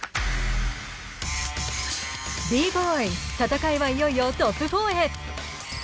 Ｂ−Ｂｏｙ、戦いはいよいよトップ４へ。